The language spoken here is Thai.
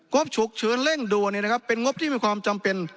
กบฉุกเฉินเร่งด่วนเนี่ยนะครับเป็นงบที่มีความจำเป็น